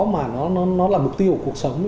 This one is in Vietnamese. mà nó là mục tiêu của cuộc sống